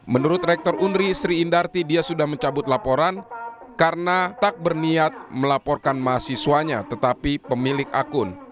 menurut rektor unri sri indarti dia sudah mencabut laporan karena tak berniat melaporkan mahasiswanya tetapi pemilik akun